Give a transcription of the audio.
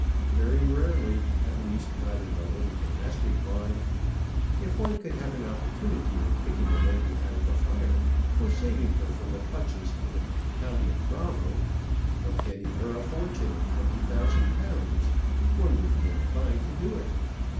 "Very rarely; at least, not in the little domestic line. If one could have an opportunity of picking a lady out of a fire, or saving her from the clutches of an Italian bravo, or getting her a fortune of twenty thousand pounds, one would be inclined to do it.